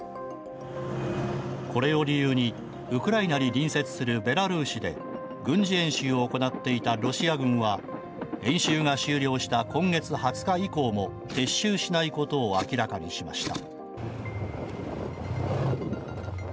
これを理由にウクライナに隣接するベラルーシで軍事演習を行っていたロシア軍は演習が終了した今月２０日以降も撤収しないことを明らかにしました。